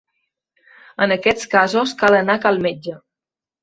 En aquests casos cal anar a cal metge.